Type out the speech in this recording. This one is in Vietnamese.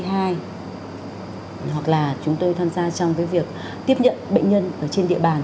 hoặc là chúng tôi tham gia trong cái việc tiếp nhận bệnh nhân ở trên địa bàn